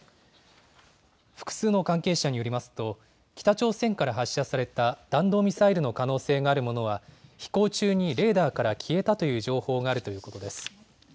複数の関係者によりますと北朝鮮から発射された弾道ミサイルの可能性があるものは飛行中にレーダーから消えたという情報があるということです。